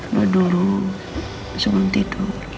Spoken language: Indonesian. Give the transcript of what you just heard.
doa dulu sebelum tidur